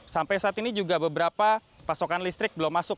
sampai saat ini juga beberapa pasokan listrik belum masuk